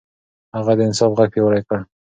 هغه د انصاف غږ پياوړی کړ.